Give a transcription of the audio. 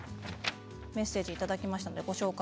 メッセージいただきました。